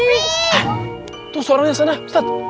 eh tuh suaranya sana ustadz